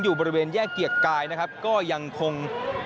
บริเวณแยกเกียรติกายนะครับก็ยังคง